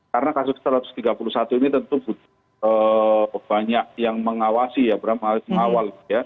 karena kasus satu ratus tiga puluh satu ini tentu banyak yang mengawasi beramal mengawal